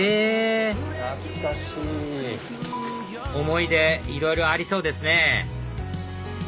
思い出いろいろありそうですね